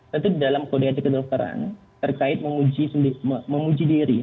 tentu di dalam kode etik kedokteran terkait menguji diri